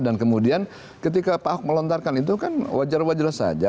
dan kemudian ketika pak ahok melontarkan itu kan wajar wajar saja